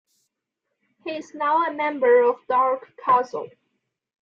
He is now a member of Dark Castle.